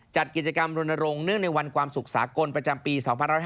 จัดกิจกรรมรณรงค์เนื่องในวันความสุขสากลประจำปี๒๕๕๙